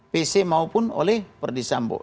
pc maupun oleh perdis sambo